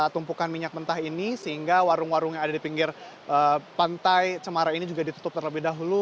tumpukan minyak mentah ini sehingga warung warung yang ada di pinggir pantai cemara ini juga ditutup terlebih dahulu